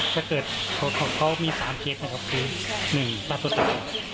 ถ้าเกิดเขามี๓เคสนะครับคือ๑ฆ่าตัวตาย